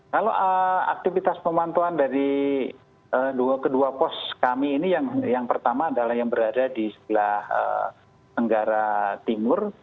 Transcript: kalau aktivitas pemantauan dari kedua pos kami ini yang pertama adalah yang berada di sebelah tenggara timur